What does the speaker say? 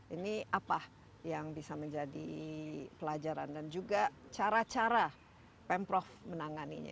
ini apa yang bisa menjadi pelajaran dan juga cara cara pemprov menanganinya